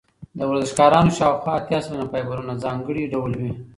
د ورزشکارانو شاوخوا اتیا سلنه فایبرونه ځانګړي ډول وي.